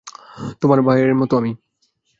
তোমার ভাইয়ের মতো আমি।